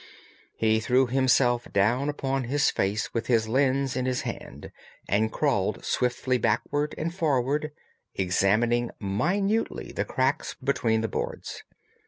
He threw himself down upon his face with his lens in his hand and crawled swiftly backward and forward, examining minutely the cracks between the boards.